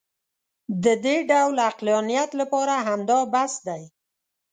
د دې ډول عقلانیت لپاره همدا بس دی.